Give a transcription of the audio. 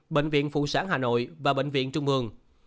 bệnh viện phụ sản hà nội và bệnh viện trung ương